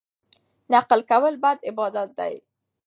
نقل کول بد عادت دی.